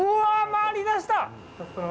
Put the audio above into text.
回り出した！